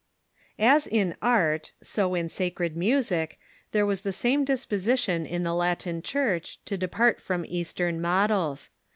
As in art, so in sacred music, there was the same disposition in the Latin Church to depart from Eastern models.